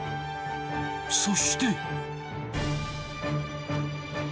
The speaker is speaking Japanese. そして。